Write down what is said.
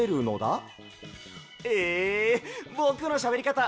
えぼくのしゃべりかた